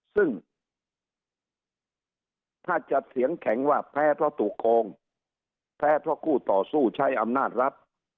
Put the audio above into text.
ซึ่งถ้าจะเสียงแข็งว่าแพ้เพราะถูกโกงแพ้เพราะคู่ต่อสู้ใช้อำนาจรัฐ